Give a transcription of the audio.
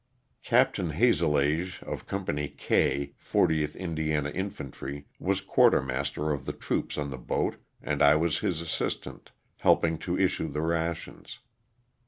Capt. Hazellaige, of Company K, 40th Indiana Infantry, was quartermaster of the troops on the boat and I was his assistant, helping to issue the rations.